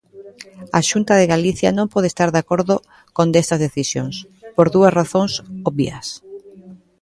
A Xunta de Galicia non pode estar de acordo con desta decisión, por dúas razóns obvias.